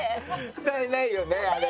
歌えないよねあれ。